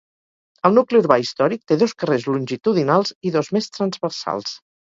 El nucli urbà històric té dos carrers longitudinals i dos més transversals.